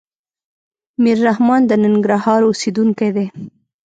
ميررحمان د ننګرهار اوسيدونکی دی.